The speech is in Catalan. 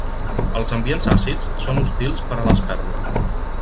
Els ambients àcids són hostils per a l'esperma.